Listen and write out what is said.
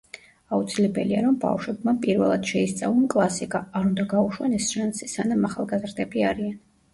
აუცილებელია რომ ბავშვებმა პირველად შეისწვალონ კლასიკა, არ უნდა გაუშვან ეს შანსი სანამ ახალგაზრდები არიან.